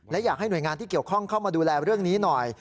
และอยากให้หน่วยงานที่เกี่ยวข้องเข้ามาดูแลเรื่องนี้หน่อย